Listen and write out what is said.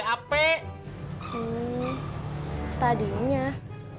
sekarang jual ketoprak bubur kacang ijo sama kue ape